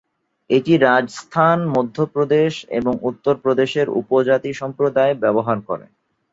এটি রাজস্থান, মধ্যপ্রদেশ এবং উত্তরপ্রদেশের উপজাতি সম্প্রদায় ব্যবহার করে।